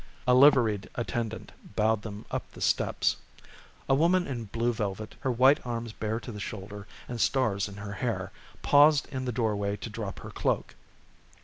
A liveried attendant bowed them up the steps. A woman in blue velvet, her white arms bare to the shoulder and stars in her hair, paused in the doorway to drop her cloak.